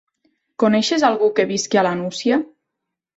Coneixes algú que visqui a la Nucia?